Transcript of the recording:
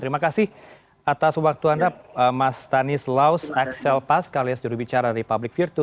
terima kasih atas waktu anda mas tanis laus axel paskalis jurubicara republik virtu